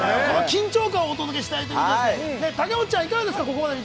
緊張感をお届けしたいということですがいかがですか？